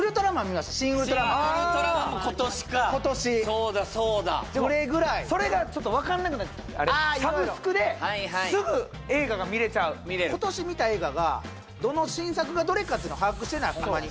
「シン・ウルトラマン」も今年か今年そうだそうだ暮れぐらいそれがちょっと分かんなくなっちゃってサブスクですぐ映画が見れちゃう見れる今年見た映画がどの新作がどれかっていうの把握してないたまに